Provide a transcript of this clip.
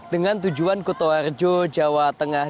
dengan tujuan kutoarjo jawa tengah